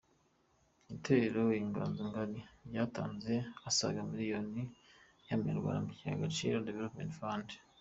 Itorero Inganzo ngari ryatanze asaga miliyoni y'amanyarwanda mu kigega Agaciro Development Fund.